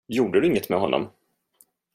Gjorde du inget med honom?